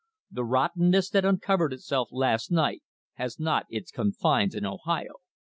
The rottenness that uncovered itself last night has not its confines in Ohio."